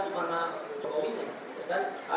bagaimana pak jokowi nya